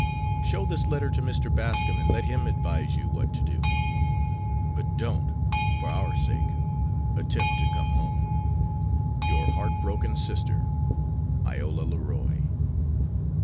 Show this letter to Mr. Bascom and let him advise you what to do. But don't, for our sake, attempt to come home. 'Your heart broken sister, 'IOLA LEROY.'"